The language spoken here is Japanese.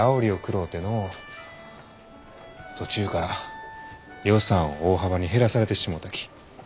途中から予算を大幅に減らされてしもうたき。